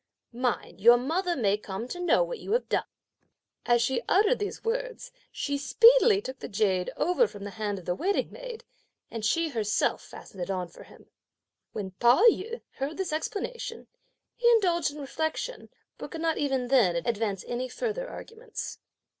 Mind, your mother may come to know what you have done!" As she uttered these words, she speedily took the jade over from the hand of the waiting maid, and she herself fastened it on for him. When Pao yü heard this explanation, he indulged in reflection, but could not even then advance any further arguments.